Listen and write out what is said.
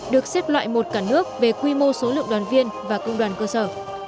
được xếp loại một cả nước về quy mô số lượng đoàn viên và công đoàn cơ sở